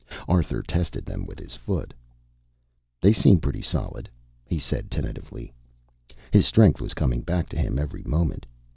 Arthur tested them with his foot. "They seem to be pretty solid," he said tentatively. His strength was coming back to him every moment.